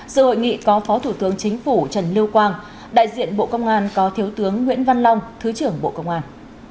sự hội nghị có phó thủ tướng chính phủ trần lưu quang đại diện bộ công an có thiếu tướng nguyễn văn long thứ trưởng bộ công an